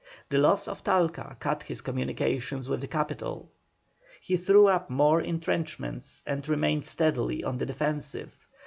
The loss of Talca cut his communications with the capital; he threw up more entrenchments and remained steadily on the defensive.